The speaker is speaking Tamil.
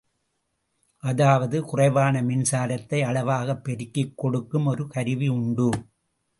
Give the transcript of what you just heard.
அதாவது குறைவான மின்சாரத்தை அளவாகப் பெருக்கிக் கொடுக்கும் ஒரு கருவி உண்டு.